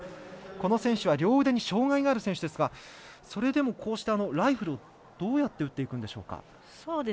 この選手は両腕に障がいがある選手ですが、それでもライフルどうやって撃っていくんでしょうか。